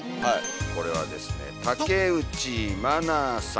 これはですね竹内愛さん。